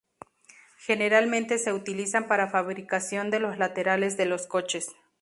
Generalmente se utilizan para fabricación de los laterales de los coches.